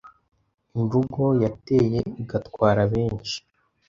Imvugo yateye igatwara benshi